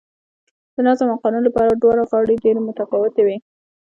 د نظم او قانون له پلوه دواړه غاړې ډېرې متفاوتې وې